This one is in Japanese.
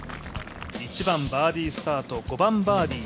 １番バーディースタート、５番バーディー